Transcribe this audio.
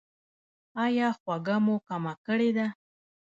ایا خوږه مو کمه کړې ده؟